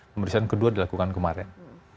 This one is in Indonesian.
pemeriksaan kedua dilakukan kemarin